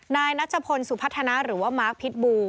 นายนัชพลสุพัฒนาหรือว่ามาร์คพิษบู